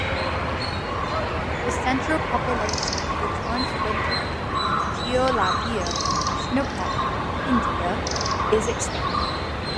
The central population, which once wintered in Keoladeo National Park, India, is extinct.